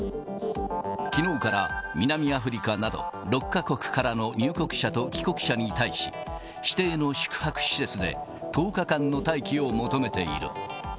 きのうから南アフリカなど、６か国からの入国者と帰国者に対し、指定の宿泊施設で１０日間の待機を求めている。